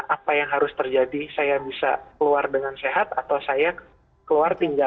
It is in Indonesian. apa yang harus terjadi saya bisa keluar dengan sehat atau saya keluar tinggal